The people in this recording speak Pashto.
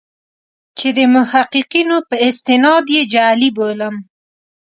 چې د محققینو په استناد یې جعلي بولم.